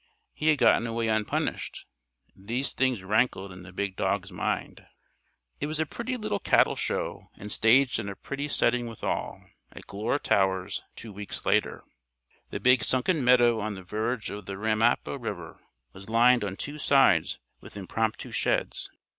He had gotten away unpunished. These things rankled in the big dog's mind.... It was a pretty little cattle show and staged in a pretty setting withal at Glure Towers, two weeks later. The big sunken meadow on the verge of the Ramapo River was lined on two sides with impromptu sheds.